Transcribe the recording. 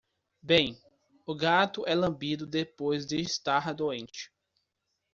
Bem, o gato é lambido depois de estar doente.